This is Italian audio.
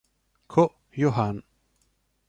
Ko Yo-han